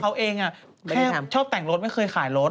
เขาเองแค่ชอบแต่งรถไม่เคยขายรถ